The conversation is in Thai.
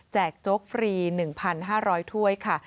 โจ๊กฟรี๑๕๐๐ถ้วยค่ะ